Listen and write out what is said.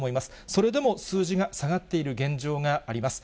それでも数字が下がっている現状があります。